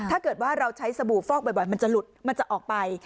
ถ้าเกิดว่าเราใช้สบู่ฟอกบ่อยมันจะหลุดมันจะออกไป